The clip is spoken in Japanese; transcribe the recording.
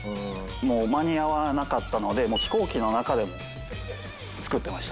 もう間に合わなかったので飛行機の中でも作ってました。